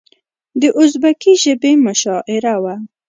د ازبکي ژبې مشاعره وه.